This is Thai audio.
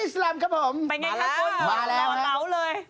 ไปไงครับคุณโน่นเบาเลยมาแล้วครับ